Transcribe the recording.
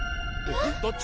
えっ？